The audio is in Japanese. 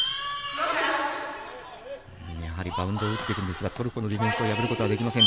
やはりバウンドを打っていくんですがトルコのディフェンスを破ることはできません。